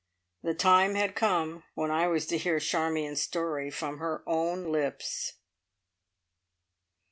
The time had come when I was to hear Charmion's story from her own lips!